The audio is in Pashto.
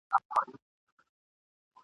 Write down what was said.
هر انسان لره معلوم خپل عاقبت وي ..